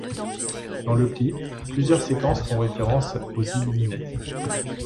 Dans le clip, plusieurs séquences font références aux Illuminati.